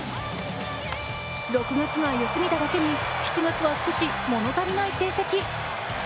６月が良すぎただけに７月は少し物足りない成績。